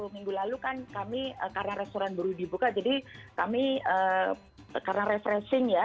minggu lalu kan kami karena restoran baru dibuka jadi kami karena refreshing ya